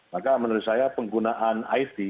maka menurut saya penggunaan it